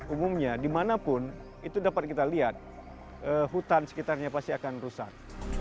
umumnya dimanapun itu dapat kita lihat hutan sekitarnya pasti akan rusak